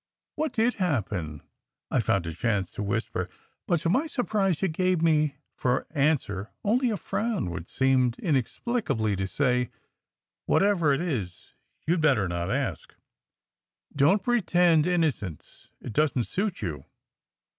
What did happen?" I found a chance to whisper; but to my surprise he gave me for answer only a frown which seemed inexplicably to say, "Whatever it is, you d better not ask! Don t pretend innocence, it doesn t suit you."